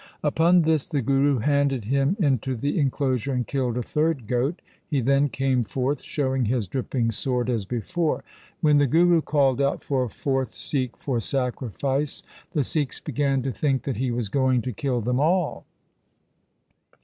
Upon this the Guru handed him into the enclosure and killed a third goat. He then came forth showing his dripping sword as before. When the Guru called out for a fourth Sikh for sacrifice, the Sikhs began to think that he was going to kill them all.